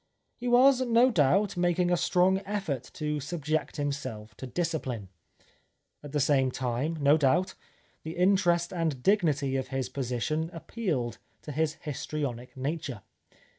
He was, no doubt, making a strong effort to subject himself to disciphne. At the same time, no doubt, the interest and dignity of his position appealed to his histrionic nature.